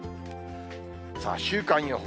さあ、週間予報。